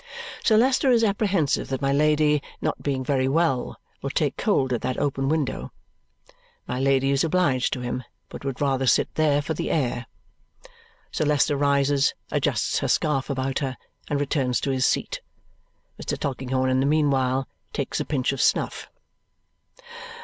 Sir Leicester is apprehensive that my Lady, not being very well, will take cold at that open window. My Lady is obliged to him, but would rather sit there for the air. Sir Leicester rises, adjusts her scarf about her, and returns to his seat. Mr. Tulkinghorn in the meanwhile takes a pinch of snuff.